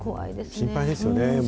心配ですよね。